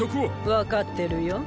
分かってるよ。